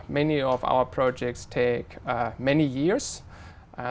và hợp lợi của chính phủ và người dân